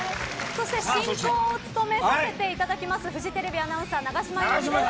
そして進行を務めさせていただくフジテレビアナウンサー永島です。